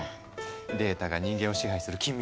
データが人間を支配する近未来